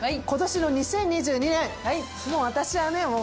今年の２０２２年もう私はね